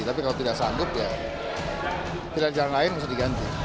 tapi kalau tidak sanggup ya pilihan jalan lain bisa diganti